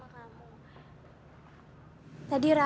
tadi raka dan nek reni kan dateng ke rumah